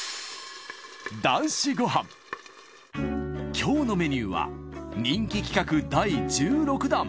今日のメニューは人気企画第１６弾。